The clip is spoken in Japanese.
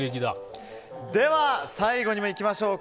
では、最後にいきましょう。